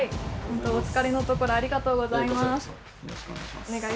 お疲れのところありがとうございます。